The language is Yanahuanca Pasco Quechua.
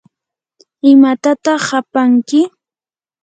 ¿imatataq apanki?